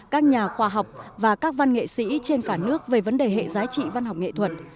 các nhà khoa học và các văn nghệ sĩ trên cả nước về vấn đề hệ giá trị văn học nghệ thuật